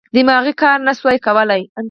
دماغي کار نه شوای کولای.